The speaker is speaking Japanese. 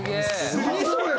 すごいな。